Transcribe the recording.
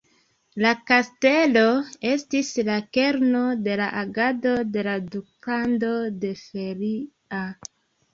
La kastelo estis la kerno de la agado de la Duklando de Feria.